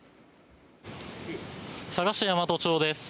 佐賀市大和町です。